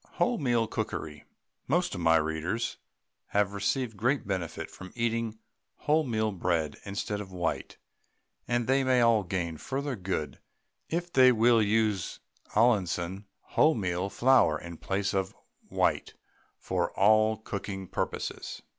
WHOLEMEAL COOKERY Most of my readers have received great benefit from eating wholemeal bread instead of white, and they may all gain further good it they will use Allinson wholemeal flour in place of white for all cooking purposes.